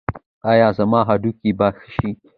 ایا زما هډوکي به ښه شي؟